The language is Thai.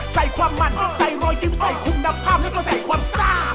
ใส่ความมันใส่รอยยิ้มใส่คุณดำภาพแล้วก็ใส่ความซ่า